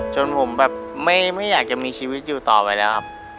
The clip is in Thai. จนผมแบบไม่อยากจะมีชีวิตอยู่ต่อไปแล้วครับ